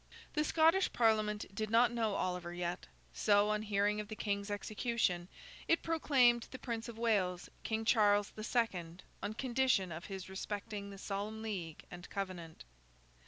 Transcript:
The Scottish Parliament did not know Oliver yet; so, on hearing of the King's execution, it proclaimed the Prince of Wales King Charles the Second, on condition of his respecting the Solemn League and Covenant.